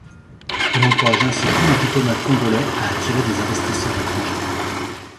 Il encourage ainsi tous les diplomates congolais à attirer des investisseurs étrangers.